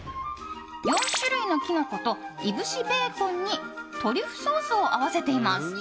４種類のキノコといぶしベーコンにトリュフソースを合わせています。